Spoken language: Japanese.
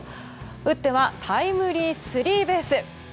打ってはタイムリースリーベース！